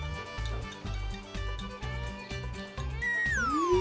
うん！